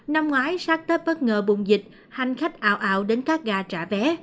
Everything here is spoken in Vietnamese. năm ngoái sát tết bất ngờ bùng dịch hành khách ảo ảo đến các ga trả vé